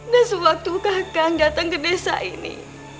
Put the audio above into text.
dan sewaktu kakak datang ke desa ini